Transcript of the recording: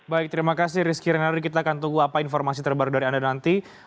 baik terima kasih rizky renardi kita akan tunggu apa informasi terbaru dari anda nanti